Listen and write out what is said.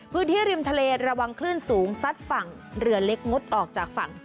พื้นที่ริมทะเลระวังคลื่นสูงซัดฝั่งเรือเล็กงดออกจากฝั่ง